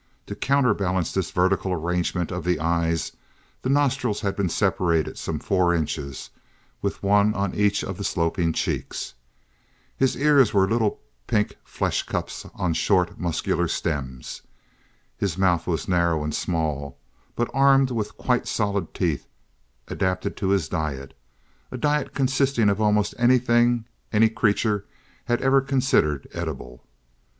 To counter balance this vertical arrangement of the eyes, the nostrils had been separated some four inches, with one on each of the sloping cheeks. His ears were little pink flesh cups on short, muscular stems. His mouth was narrow, and small, but armed with quite solid teeth adapted to his diet, a diet consisting of almost anything any creature had ever considered edible.